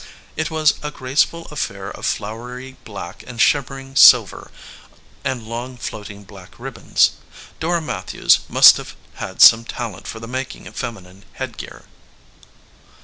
It was a graceful affair of flowery black and shimmering silver and long floating black rib bons. Dora Matthews must have had some talent for the making of feminine headgear.